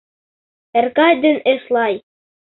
ЭРКАЙ ДЕН ЭСЛАЙ